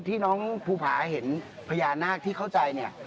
ที่น้องภูผาเห็นพญานาคที่เข้าใจเนี่ย